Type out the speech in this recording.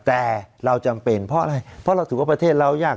แต่เราจำเป็นเพราะอะไรเพราะเราถือว่าประเทศเรายาก